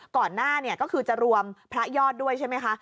ก่อนหน้าก็คือจะรวมพระยอดด้วยใช่ไหมคะ